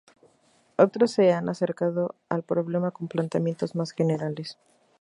Otros se han acercado al problema con planteamientos más generales.